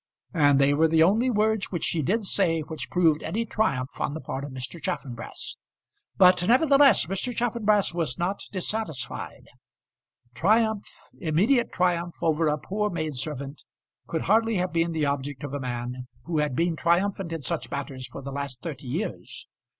And they were the only words which she did say which proved any triumph on the part of Mr. Chaffanbrass. But nevertheless Mr. Chaffanbrass was not dissatisfied. Triumph, immediate triumph over a poor maid servant could hardly have been the object of a man who had been triumphant in such matters for the last thirty years.